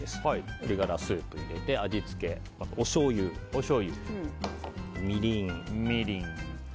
鶏ガラスープを入れて味付け、おしょうゆ、みりん